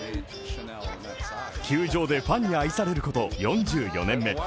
球場でファンに愛されること４４年目。